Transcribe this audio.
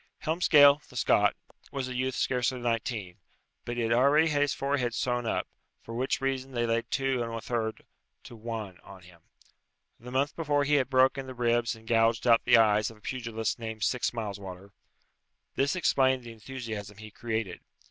Helmsgail, the Scot, was a youth scarcely nineteen, but he had already had his forehead sewn up, for which reason they laid 2 1/3 to 1 on him. The month before he had broken the ribs and gouged out the eyes of a pugilist named Sixmileswater. This explained the enthusiasm he created.